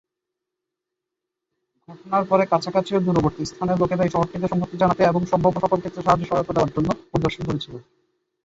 ঘটনার পরে, কাছাকাছি ও দূরবর্তী স্থানের লোকেরা এই শহরটিতে সংহতি জানাতে এবং সম্ভাব্য সকল ক্ষেত্রে সাহায্য-সহায়তা দেওয়ার জন্য পরিদর্শন করেছিল।